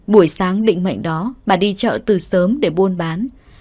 buổi sáng định mệnh đó bà đi chợ từ sớm để buôn bán